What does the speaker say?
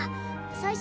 最初？